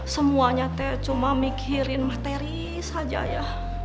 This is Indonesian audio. semuanya cuma mikirin materi saja ya